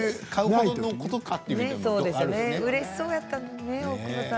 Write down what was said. うれしそうだったよね